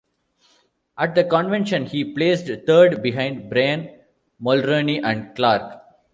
At the convention he placed third behind Brian Mulroney and Clark.